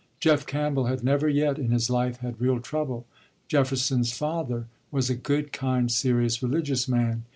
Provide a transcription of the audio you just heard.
Jeff Campbell had never yet in his life had real trouble. Jefferson's father was a good, kind, serious, religious man.